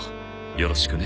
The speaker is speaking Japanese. よろしくね。